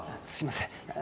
すいません。